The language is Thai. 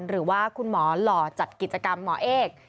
หรือว่าคุณหมอหล่อจัดกิจกรรมหมอเอก